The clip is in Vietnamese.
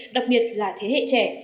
đặc biệt là thế hệ trẻ